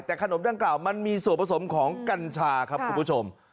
แต่ขนมดังกล่าวมันมีส่วนผสมของกัญชาครับคุณผู้ชม